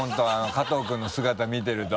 加藤君の姿見てると。